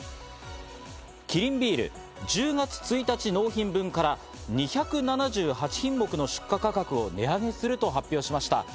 キリンビール１０月１日納品分から２７８品目の出荷価格を値上げすると発表しました。